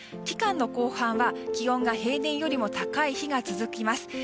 期間の後半は気温が平年よりも高い日が続きます。